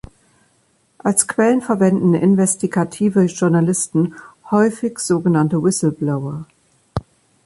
Als Quellen verwenden investigative Journalisten häufig sogenannte Whistleblower.